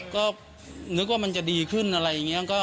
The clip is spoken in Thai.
ก็นึกว่ามันจะดีขึ้นอะไรอย่างนี้